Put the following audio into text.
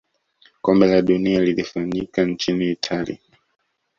kombe la dunia lilifanyika nchini itali